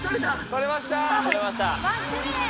撮れました！